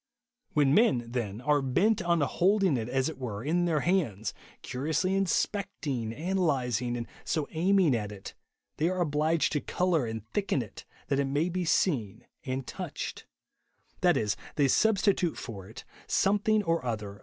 When men, then, are bent on holding it, as it were, in their hands, curiously in specting, analysing, and so aiming at it, they are obliged to col/mr and thicken it, that it may be seen an \ touche'l That is, they substitute for it, some JESUS ONIiY.